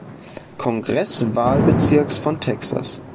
Kongresswahlbezirks von Texas.